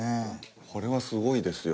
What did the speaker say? これはすごいですよ。